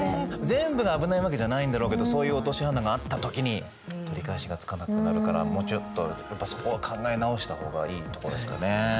全部が危ないわけじゃないんだろうけどそういう落とし穴があった時に取り返しがつかなくなるからもうちょっとそこを考え直した方がいいとこですかね。